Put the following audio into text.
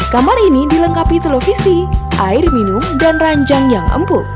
kamar ini dilengkapi televisi air minum dan ranjang yang empuk